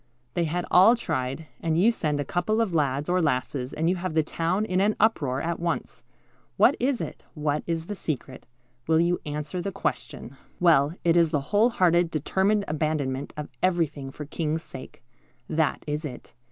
They had all tried, and you send a couple of lads or lasses, and you have the town in an uproar at once. What is it? What is the secret? Will you answer the question?" Well, it is the whole hearted, determined abandonment of everything for the King's sake. That is it.